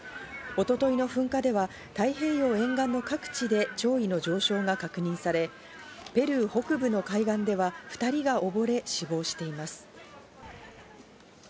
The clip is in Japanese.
一昨日の噴火では太平洋沿岸の各地で潮位の上昇が確認され、ペルー北部の海岸では２人がおぼれ、死亡しています。